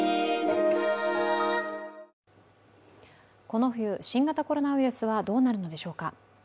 この冬、新型コロナウイルスはどうなるのでしょうか。